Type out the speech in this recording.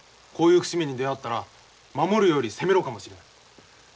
こういう節目に出会ったら守るより攻めろかもしれない。